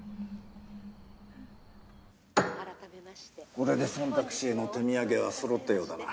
これでソンタク氏への手土産は揃ったようだな。